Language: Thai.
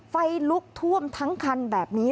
ไฟลุกท่วมทั้งคันแบบนี้